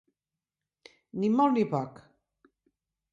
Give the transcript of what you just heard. Ni molt ni poc.